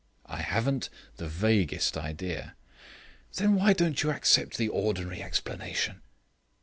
"I haven't the vaguest idea." "Then why don't you accept the ordinary explanation?"